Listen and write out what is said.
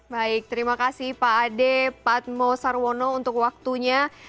baik terima kasih pak ade patmo sarwono untuk waktunya